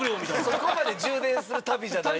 そこまで充電する旅じゃない。